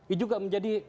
itu juga menjadi